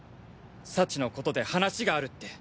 幸のことで話があるって。